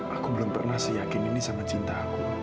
aku belum pernah seyakin ini sama cinta aku